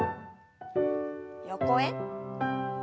横へ。